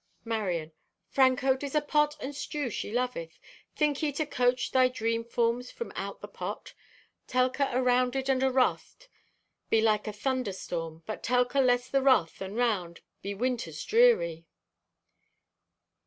(Marion) "Franco, 'tis a pot and stew she loveth. Think ye to coax thy dream forms from out the pot? Telka arounded and awrathed be like unto a thunder storm, but Telka less the wrath and round, be Winter's dreary."